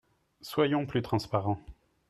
Soyons plus transparents.